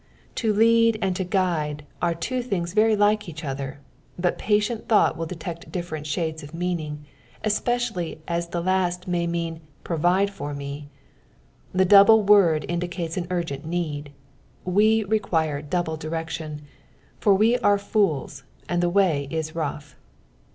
To lead and to guide are two things very like each other, but patient thought *i]l detect different shades of meanmg, especially as the last may mean prosidt f«T me. The double word indicates an urgent need — we require double direction, for we are fools, and the way is roagh.